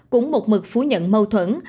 cũng một mực phú nhận mâu thuẫn